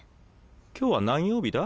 今日は何曜日だ？